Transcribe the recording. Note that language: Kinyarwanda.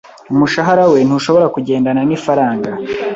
Umushahara we ntushobora kugendana nifaranga.